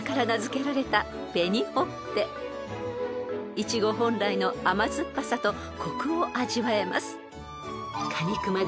［イチゴ本来の甘酸っぱさとコクを味わえます］